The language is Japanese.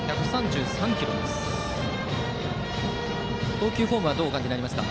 投球フォームはどうお感じになりますか？